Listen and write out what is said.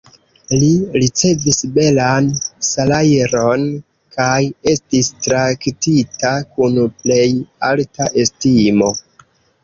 Li ricevis belan salajron, kaj estis traktita kun plej alta estimo.